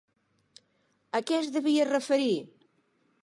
A què es devia referir?